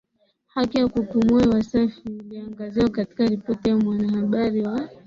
haki ya kupumua hewa safi iliangaziwa katika ripoti ya Mwanahabari wa